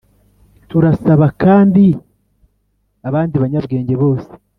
turasaba kandi abandi banyabwenge bose